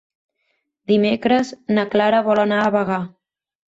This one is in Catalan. Dimecres na Clara vol anar a Bagà.